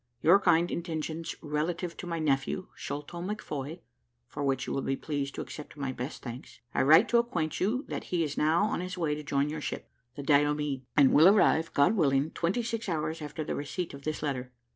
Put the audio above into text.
your kind intentions relative to my nephew, Sholto McFoy (for which you will be pleased to accept my best thanks), I write to acquaint you that he is now on his way to join your ship, the Diomede, and will arrive, God willing, twenty six hours after the receipt of this letter.